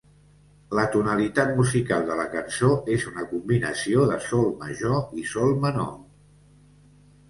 La tonalitat musical de la cançó és una combinació de sol major i sol menor.